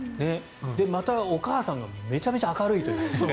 また、お母さんがめちゃめちゃ明るいという。